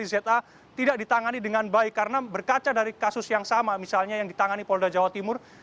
za tidak ditangani dengan baik karena berkaca dari kasus yang sama misalnya yang ditangani polda jawa timur